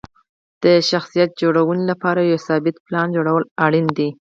د شخصیت جوړونې لپاره یو ثابت پلان جوړول اړین دي.